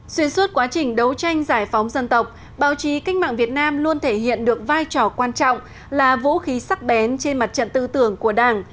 xuyên suốt quá trình đấu tranh giải phóng dân tộc báo chí cách mạng việt nam luôn thể hiện được vai trò quan trọng là vũ khí sắc bén trên mặt trận tư tưởng của đảng